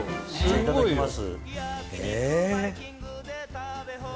いただきます。